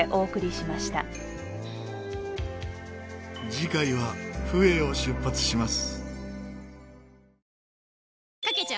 次回はフエを出発します。